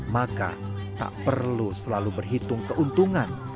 maka tak perlu selalu berhitung keuntungan